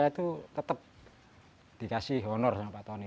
itu tetap dikasih honor sama pak tony